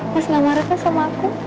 mas nggak marah kan sama aku